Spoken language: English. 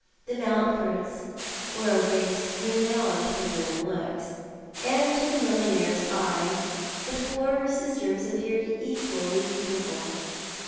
The Mountfords were a race renowned for good looks, and to the millionaire's eye the four sisters ajDpeared equally beautiful.